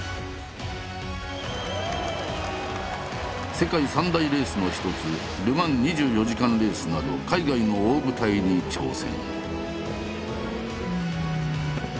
世界三大レースの一つル・マン２４時間レースなど海外の大舞台に挑戦。